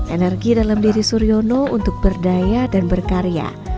energi dalam diri suryono untuk berdaya dan berkarya